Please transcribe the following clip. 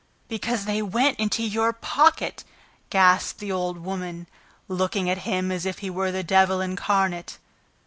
"Because they went into your pocket!" gasped the old woman, looking at him as if he were the devil incarnate.